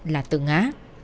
là tự ngã